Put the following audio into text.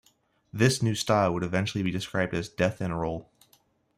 This new style would eventually be described as death 'n' roll.